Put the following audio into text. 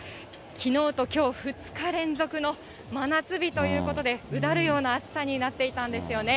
きのうときょう、２日連続の真夏日ということで、うだるような暑さになっていたんですよね。